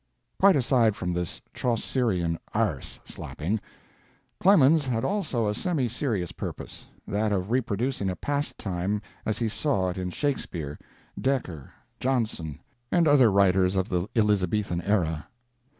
Quite aside from this Chaucerian "erse" slapping, Clemens had also a semi serious purpose, that of reproducing a past time as he saw it in Shakespeare, Dekker, Jonson, and other writers of the Elizabethan era.